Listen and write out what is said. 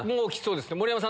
盛山さん